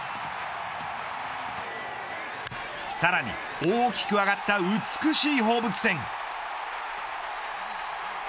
さらに大きく上がった美しい放物線。